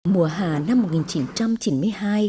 mùa hà năm một nghìn chín trăm chín mươi hai